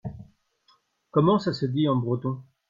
Comment ça se dit en breton ?